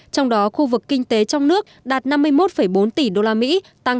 trong đó khu vực kinh tế trong nước đạt năm mươi một bốn tỷ đô la mỹ tăng hai